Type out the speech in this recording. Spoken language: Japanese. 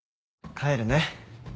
帰るね。